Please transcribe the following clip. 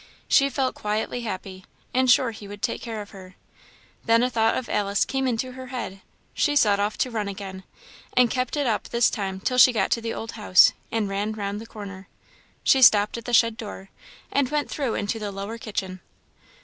She felt quietly happy, and sure He would take care of her. Then a thought of Alice came into her head; she set off to run again, and kept it up this time till she got to the old house and ran round the corner. She stopped at the shed door, and went through into the lower kitchen.